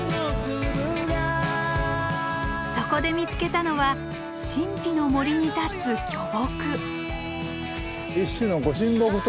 そこで見つけたのは神秘の森に立つ巨木。